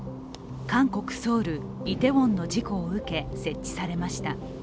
韓国・ソウル、イテウォンの事故を受け、設置されました。